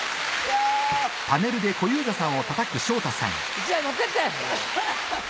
１枚持ってって！